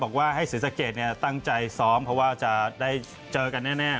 บอกว่าให้ศรีสะเกดตั้งใจซ้อมเพราะว่าจะได้เจอกันแน่